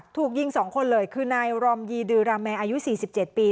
ถูกยิงสองคนเลยคือนายรอมยีดือราแมอายุสี่สิบเจ็ดปี